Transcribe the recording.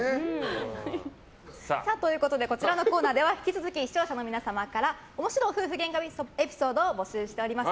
こちらのコーナーでは引き続き視聴者の皆様から面白夫婦げんかエピソードを募集しております。